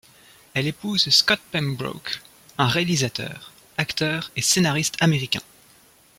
Elle épouse Scott Pembroke, un réalisateur, acteur et scénariste américain.